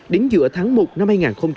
đến giữa tháng một năm hai nghìn hai mươi